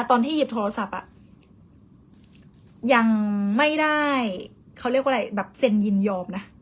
ตอนที่หยิบโทรศัพท์อ่ะยังไม่ได้เขาเรียกว่าอะไรแบบเซ็นยินยอมนะ